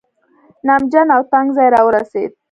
نمجن او تنګ ځای راورسېد.